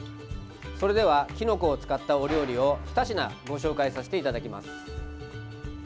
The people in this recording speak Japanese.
それではきのこを使ったお料理を２品、ご紹介させていただきます。